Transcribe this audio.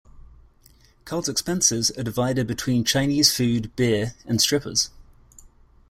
Carl's expenses are divided between Chinese food, beer and strippers.